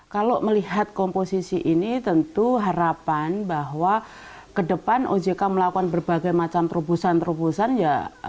kalau melihat komposisi ini tentu harapan bahwa ke depan ojk melakukan berbagai macam terobosan terobosan ya